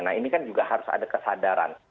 nah ini kan juga harus ada kesadaran